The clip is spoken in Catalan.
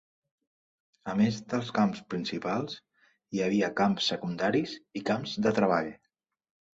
A més dels camps principals, hi havia camps secundaris i camps de treball.